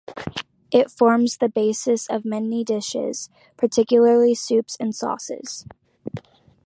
It forms the basis of many dishes, particularly soups and sauces.